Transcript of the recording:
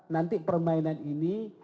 nanti permainan ini